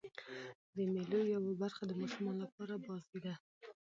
د مېلو یوه برخه د ماشومانو له پاره بازۍ دي.